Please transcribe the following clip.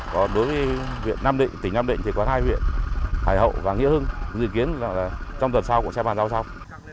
còn đối với viện nam định tỉnh nam định thì có hai viện hải hậu và nghĩa hưng dự kiến trong tuần sau sẽ bàn giao sau